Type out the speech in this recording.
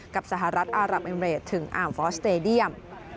กับสหรัฐอารับเอเมริดถึงอ่ามฟอร์สสเตดียม